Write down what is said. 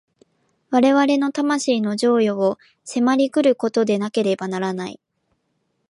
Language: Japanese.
我々の魂の譲与を迫り来ることでなければならない。